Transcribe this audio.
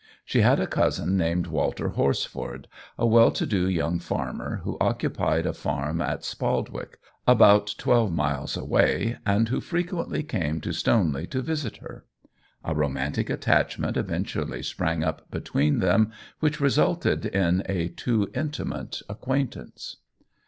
She had a cousin named Walter Horsford, a well to do young farmer who occupied a farm at Spaldwick about twelve miles away, and who frequently came to Stoneley to visit her. A romantic attachment eventually sprang up between them, which resulted in a too intimate acquaintance.